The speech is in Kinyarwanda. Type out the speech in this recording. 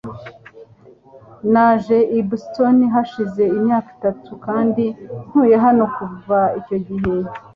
Naje i Boston hashize imyaka itatu kandi ntuye hano kuva icyo gihe.